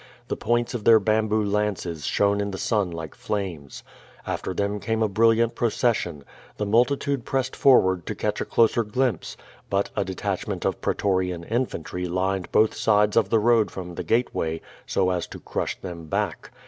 The points of their bamboo lances shone in the sun like flames. After them came a brilliant l)rocession. The multitude pressed for^vard to catch a closer glimpse. But a detachment of pretorian infantry lined both sides of the road from the gateway, so as to crush them back.